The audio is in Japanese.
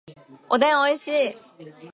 おでんおいしい